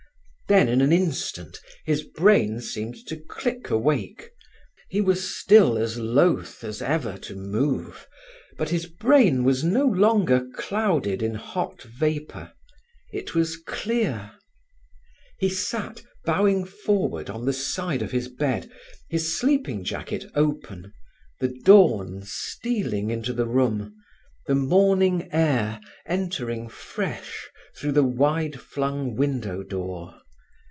Then, in an instant his brain seemed to click awake. He was still as loath as ever to move, but his brain was no longer clouded in hot vapour: it was clear. He sat, bowing forward on the side of the bed, his sleeping jacket open, the dawn stealing into the room, the morning air entering fresh through the wide flung window door.